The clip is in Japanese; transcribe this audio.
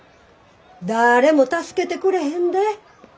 だれも助けてくれへんで？